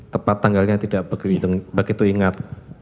tepat tanggalnya tidak begitu ingat